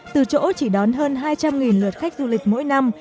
từ chỗ chỉ đón hơn hai trăm linh lượt khách du lịch mỗi năm